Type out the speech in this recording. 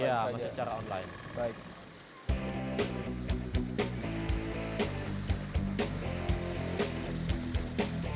iya masih secara online